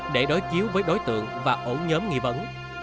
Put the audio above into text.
để đối chiếu với đối tượng và ổ nhóm nghi vấn